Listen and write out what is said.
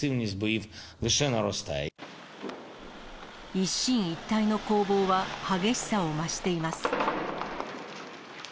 一進一退の攻防は激しさを増しています。